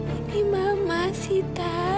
ini mama sita